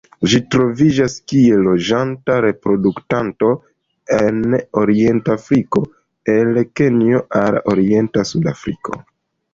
Ĝi troviĝas kiel loĝanta reproduktanto en orienta Afriko el Kenjo al orienta Sudafriko.